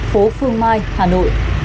phố phương mai hà nội